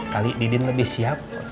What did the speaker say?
kali didin lebih siap